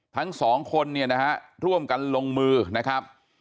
ทั้งสองคนเนี่ยนะฮะร่วมกันลงมือนะครับ